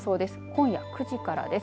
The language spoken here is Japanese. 今夜９時からです。